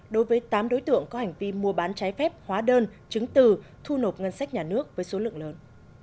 đối với tám đối tượng có hành vi mua bán trái phép hóa đơn chứng từ thu nộp ngân sách nhà nước với số lượng lớn